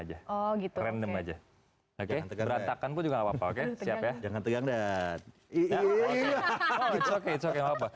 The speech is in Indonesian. aja oh gitu random aja oke tegak tegakkan pun juga apa oke siap ya jangan tegang dan